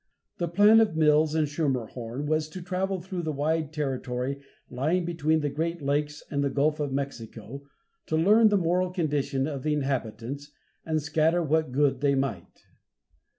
The plan of Mills and Schermerhorn was to travel through the wide territory lying between the great lakes and the Gulf of Mexico, to learn the moral condition of the inhabitants, and scatter what good they might.